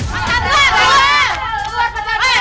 pak chandra keluar